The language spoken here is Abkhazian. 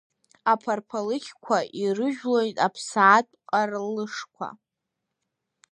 Аԥарԥалыкьқәа ирыжәлоит аԥсаатә ҟарлышқәа.